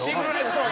そう！